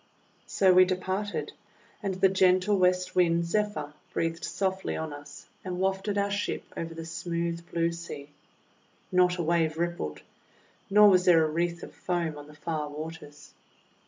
So we departed, and the gentle West Wind, Zephyr, breathed softly on us and wafted our ship over the smooth blue sea. Not a wave rippled, nor was there a wreath of foam on the far waters.